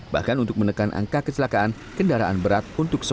bahkan untuk menekan angka kecelakaan kendaraan berat untuk sementara